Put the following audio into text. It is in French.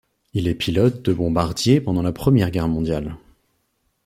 Il est pilote de bombardier pendant la Première Guerre mondiale.